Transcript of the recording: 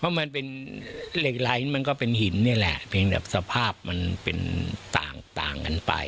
เพราะมันเป็นเหล็กไหลมันก็เป็นหินนี่แหละเพียงแต่สภาพมันเป็นต่างกันไป